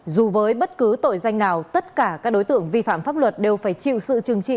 dù với bất cứ tội danh nào tất cả các đối tượng vi phạm pháp luật đều phải chịu sự trừng trị